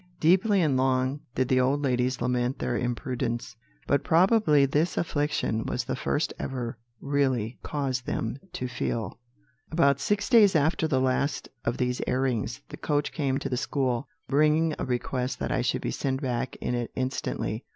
Deeply and long did the old ladies lament their imprudence; but probably this affliction was the first which ever really caused them to feel. "About six days after the last of these airings, the coach came to the school, bringing a request that I should be sent back in it instantly.